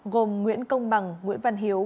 gồm nguyễn công bằng nguyễn văn hiếu